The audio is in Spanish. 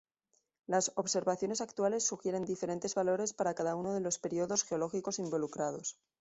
Las observaciones actuales sugieren diferentes valores para cada uno de los períodos geológicos involucrados.